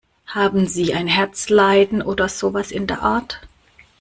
Haben Sie ein Herzleiden oder sowas in der Art?